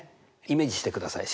イメージしてください。